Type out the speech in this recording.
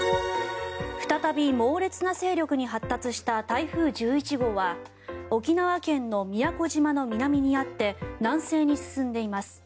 再び猛烈な勢力に発達した台風１１号は沖縄県の宮古島の南にあって南西に進んでいます。